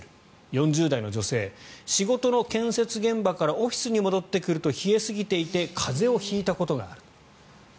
４０代の女性仕事の建設現場からオフィスに戻ってくると冷えすぎていて風邪を引いたことがあると。